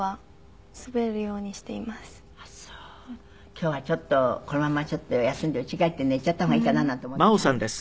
今日はちょっとこのまま休んで家帰って寝ちゃった方がいいかななんて思う時ある？